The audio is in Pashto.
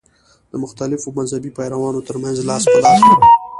د مختلفو مذهبي پیروانو تر منځ لاس په لاس شوه.